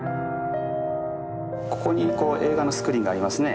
ここに映画のスクリーンがありますね。